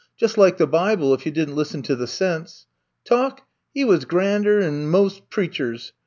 Jus ' like the Bible, if you did n 't lissen to the sense. Talk 1 He was grander 'an mos' preachers.